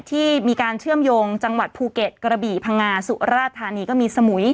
ที่มีการเชื่อมโยงจังหวัดภูเก็ตกระบี่พังงาสุราธานีก็มีสมุย